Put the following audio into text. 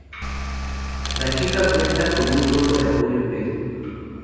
La chica cuenta con un grupo de apoyo en Facebook.